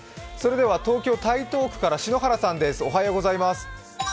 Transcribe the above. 東京・台東区から篠原さんです。